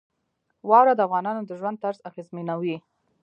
واوره د افغانانو د ژوند طرز اغېزمنوي.